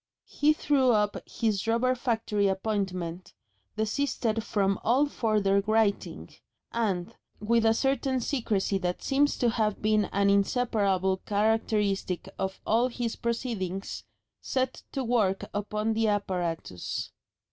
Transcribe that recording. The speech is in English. He threw up his rubber factory appointment, desisted from all further writing, and, with a certain secrecy that seems to have been an inseparable characteristic of all his proceedings, set to work upon the apparatus.